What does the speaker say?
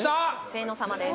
清野様です